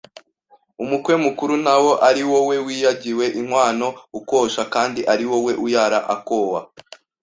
Umukwe mukuru: Ntawo ari wowe wiagiwe inkwano ukosha kandi ari wowe uyara akowa